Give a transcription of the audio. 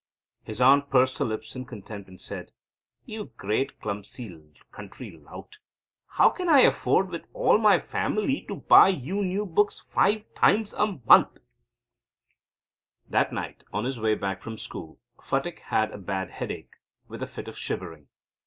His aunt pursed her lips in contempt, and said: "You great clumsy, country lout. How can I afford, with all my family, to buy you new books five times a month?" That night, on his way back from school, Phatik had a bad headache with a fit of shivering.